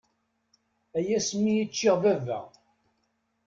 Ay asmi iččiɣ baba!